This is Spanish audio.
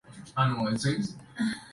Profesor y docente universitario.